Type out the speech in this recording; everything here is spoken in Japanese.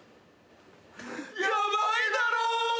ヤバいだろう！